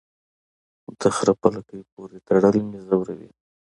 د خره په لکۍ پوري تړل مې زوروي.